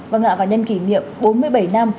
và ngạ vào nhân kỷ niệm bốn mươi bảy năm